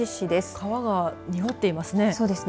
川が濁っていますね。